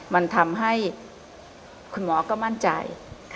มันทำให้คุณหมอก็มั่นใจ